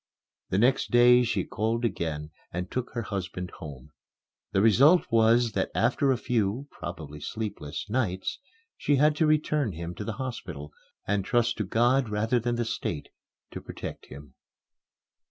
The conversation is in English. The next day she called again and took her husband home. The result was that after a few (probably sleepless) nights, she had to return him to the hospital and trust to God rather than the State to protect him.